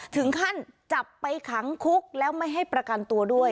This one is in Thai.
ถึงขั้นจับไปขังคุกแล้วไม่ให้ประกันตัวด้วย